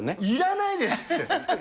いらないですって。